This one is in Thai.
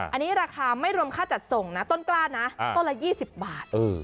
อันนี้ราคาไม่รวมค่าจัดส่งนะต้นกล้านะต้นละ๒๐บาท